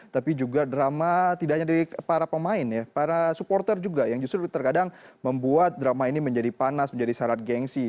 tapi juga drama tidak hanya dari para pemain ya para supporter juga yang justru terkadang membuat drama ini menjadi panas menjadi syarat gengsi